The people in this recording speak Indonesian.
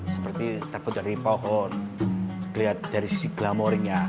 seperti terpuk dari pohon melihat dari sisi glamournya